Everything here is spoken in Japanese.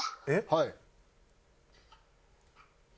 はい。